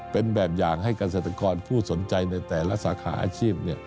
เป็นแบบอย่างให้เกษตรกรผู้สนใจในแต่ละสาขาอาชีพ